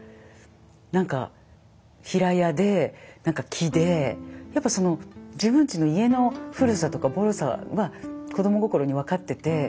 なんか平屋でなんか木でやっぱその自分ちの家の古さとかぼろさは子ども心に分かってて。